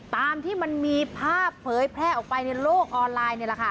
ตามที่มันมีภาพเผยแพร่ออกไปในโลกออนไลน์นี่แหละค่ะ